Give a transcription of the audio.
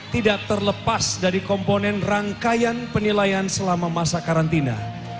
tidak terlepas dari komponen rangkaian penilaian selama masa karantina